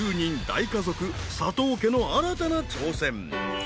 大家族佐藤家の新たな挑戦。